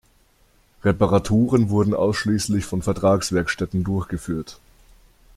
Reparaturen wurden ausschließlich von Vertragswerkstätten durchgeführt.